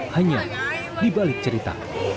hanya di balik cerita